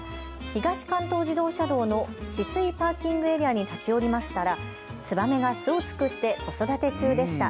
東関東自動車道の酒々井パーキングエリアに立ち寄りましたらツバメが巣を作って子育て中でした。